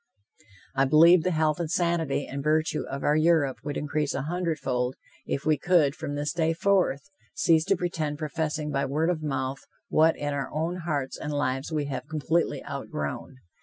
I believe the health and sanity and virtue of our Europe would increase a hundred fold, if we could, from this day forth, cease to pretend professing by word of mouth what in our own hearts and lives we have completely outgrown.